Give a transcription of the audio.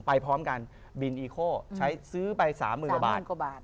พร้อมกันบินอีโคใช้ซื้อไป๓๐๐๐กว่าบาท